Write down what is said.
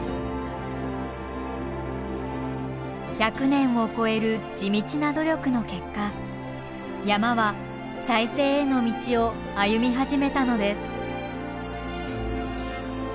１００年を超える地道な努力の結果山は再生への道を歩み始めたのです。